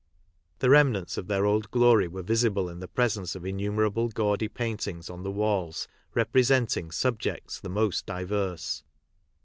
The remnants of their old glory were visible in the pre sence of innumerable gaudy paintings on the walls representing subjects the most diverse.